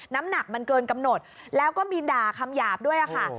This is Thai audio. น้ำหนักมันเกินกำหนดแล้วก็มีด่าคำหยาบด้วยค่ะ